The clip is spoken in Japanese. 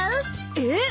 えっ？